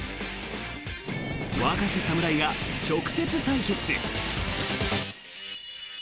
若き侍が直接対決。